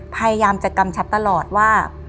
พยายามจะกำชับตลอดว่า